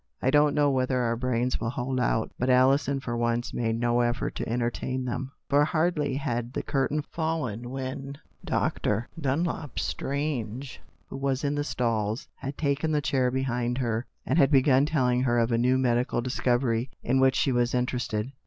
"I don't know whether our brains will hold out." But Alison, for one, made no effort to entertain them, for hardly had the curtain fallen when Dr. Dunlop Strange, who was in the stalls, had taken the chair behind her, and had begun telling her of a new medi cal discovery in which she was interested.